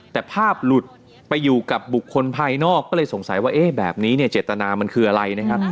แต่ภาพหลุดไปอยู่กับบุคคลภายนอกก็เลยสงสัยว่าเอ๊ะแบบนี้เนี่ยเจตนามันคืออะไรนะครับ